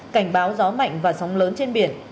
cảnh báo gió mạnh và sóng lớn trên biển